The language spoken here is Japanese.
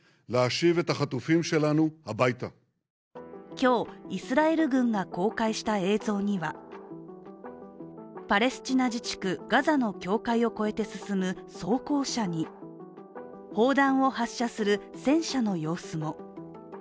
今日、イスラエル軍が公開した映像にはパレスチナ自治区ガザの境界を越えて進む装甲車に砲弾を発射する戦車の様子も。